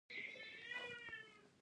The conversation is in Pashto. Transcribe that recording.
د جوزجان په جرقدوق کې څه شی شته؟